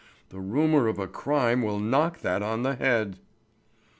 The rumour of a crime will knock that on the head."